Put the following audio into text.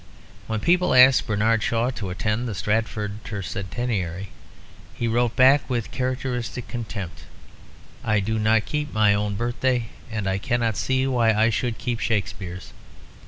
When people asked Bernard Shaw to attend the Stratford Tercentenary, he wrote back with characteristic contempt: "I do not keep my own birthday, and I cannot see why I should keep Shakespeare's."